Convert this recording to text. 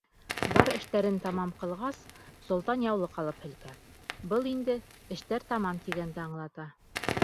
Бар эштәрен тамам ҡылғас, солтан яулыҡ алып һелкә, был инде: «Эштәр тамам!» тигәнде аңлата.